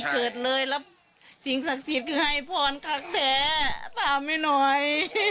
เกิดเลยแล้วสิ่งศักดิ์สิทธิ์ให้พรครั้งแท้ตามให้หน่อย